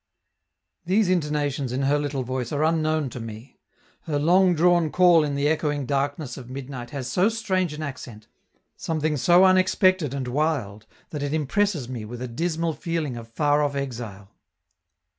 These intonations in her little voice are unknown to me; her long drawn call in the echoing darkness of midnight has so strange an accent, something so unexpected and wild, that it impresses me with a dismal feeling of far off exile.